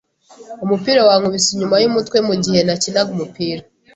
Umupira wankubise inyuma yumutwe mugihe nakinaga umupira.